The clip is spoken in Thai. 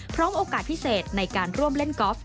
โอกาสพิเศษในการร่วมเล่นกอล์ฟ